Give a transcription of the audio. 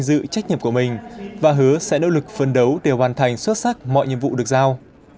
tự trách nhiệm của mình và hứa sẽ nỗ lực phân đấu để hoàn thành xuất sắc mọi nhiệm vụ được giao